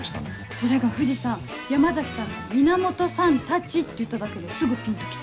それが藤さん山崎さんが「源さんたち」って言っただけですぐピンと来て。